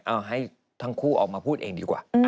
เอาให้ทั้งคู่ออกมาพูดเองดีกว่า